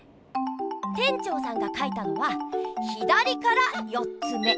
店長さんが書いたのは「ひだりから４つめ」。